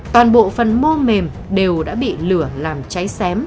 toàn bộ phần mô mềm đều đã bị lửa làm cháy xém